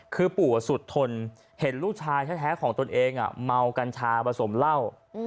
คือปู่สุดทนเห็นลูกชายแท้ของตนเองเมากัญชาผสมเหล้า